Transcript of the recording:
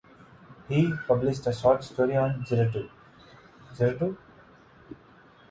He published a short story on Giraudoux, Giraudoux?